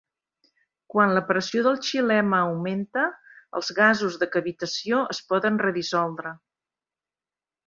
Quan la pressió del xilema augmenta, els gasos de cavitació es poden redissoldre.